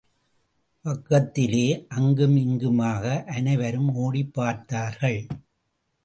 பக்கத்திலே அங்குமிங்குமாக அனைவரும் ஓடிப் பார்த்தார்கள்.